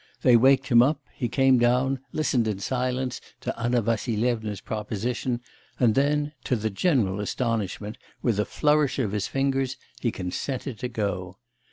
They waked him up; he came down, listened in silence to Anna Vassilyevna's proposition, and, to the general astonishment, with a flourish of his fingers, he consented to go.